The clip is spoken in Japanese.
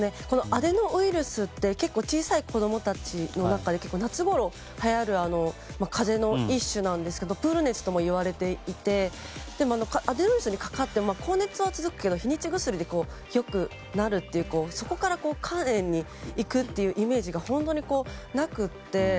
アデノウイルスって結構、小さい子供たちの中で夏ごろはやる風邪の一種なんですけどプール熱ともいわれていてでもアデノウイルスにかかっても高熱は続くけど日にち、薬で良くなるっていうそこから肝炎にいくというイメージが本当になくて。